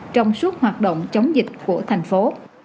trong suốt hoạt động chống dịch của thành phố